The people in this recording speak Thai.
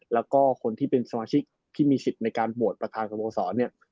แล้วก็คนที่เป็นสมาชิกที่มีสิทธิ์ในการโหวตประธานสโมสรเนี่ย